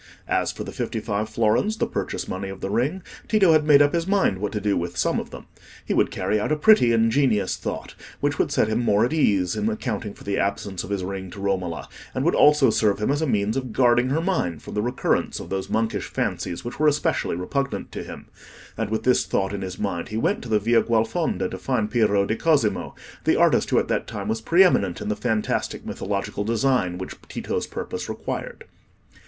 As for the fifty five florins, the purchase money of the ring, Tito had made up his mind what to do with some of them; he would carry out a pretty ingenious thought which would set him more at ease in accounting for the absence of his ring to Romola, and would also serve him as a means of guarding her mind from the recurrence of those monkish fancies which were especially repugnant to him; and with this thought in his mind, he went to the Via Gualfonda to find Piero di Cosimo, the artist who at that time was pre eminent in the fantastic mythological design which Tito's purpose required.